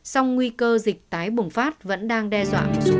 song nguy cơ dịch tái bùng phát vẫn đang đe dọa một số nước